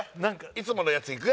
いつものやついく？